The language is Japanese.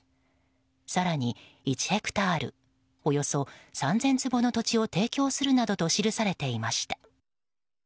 更に、１ヘクタールおよそ３０００坪の土地を提供するなどと記されていました。